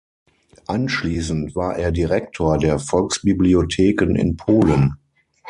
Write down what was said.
Anschließend war er Direktor der Volksbibliotheken in Polen.